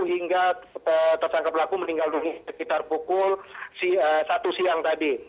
hingga tersangka pelaku meninggal dunia sekitar pukul satu siang tadi